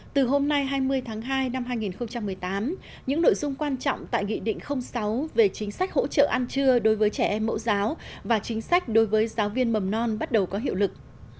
từ hôm nay hai mươi tháng hai năm hai nghìn một mươi tám những nội dung quan trọng tại nghị định sáu về chính sách hỗ trợ ăn trưa đối với trẻ em mẫu giáo và chính sách đối với giáo viên mầm non bắt đầu có hiệu lực